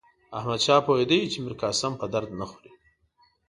احمدشاه پوهېدی چې میرقاسم په درد نه خوري.